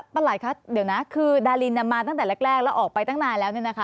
ปั่นไหล่คือดาลินมาตั้งนั้นแรกและออกไปตั้งนานแล้ว